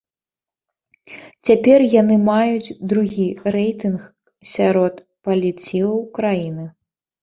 Цяпер яны маюць другі рэйтынг сярод палітсілаў краіны.